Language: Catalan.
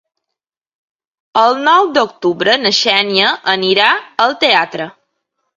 El nou d'octubre na Xènia anirà al teatre.